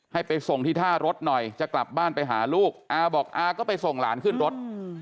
ให้ไปส่งที่ท่ารถหน่อยจะกลับบ้านไปหาลูกอาบอกอาก็ไปส่งหลานขึ้นรถ